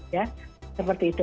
ya seperti itu